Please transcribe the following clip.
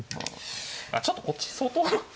ちょっとこっち相当。